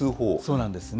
そうなんですね。